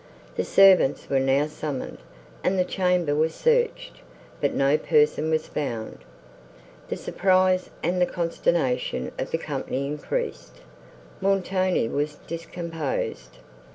The servants were now summoned, and the chamber was searched, but no person was found. The surprise and consternation of the company increased. Montoni was discomposed.